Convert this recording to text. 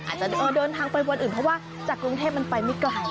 อาจจะเดินทางไปวันอื่นเพราะว่าจากกรุงเทพมันไปไม่ไกล